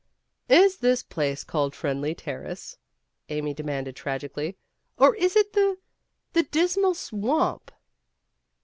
"Is this place called Friendly Terrace?' Amy demanded tragically, "Or is it the the Dismal Swamp."